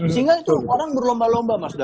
sehingga itu orang berlomba lomba mas